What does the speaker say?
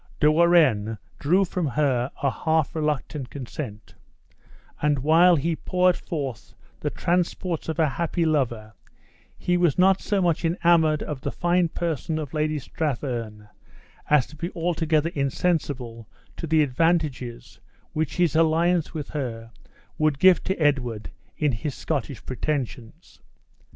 De Warenne drew from her a half reluctant consent; and, while he poured forth the transports of a happy lover, he was not so much enamored of the fine person of Lady Strathearn as to be altogether insensible to the advantages which his alliance with her would give to Edward in his Scottish pretensions.